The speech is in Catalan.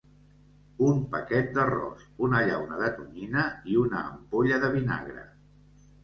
Un paquet d'arròs, una llauna de tonyina i una ampolla de vinagre.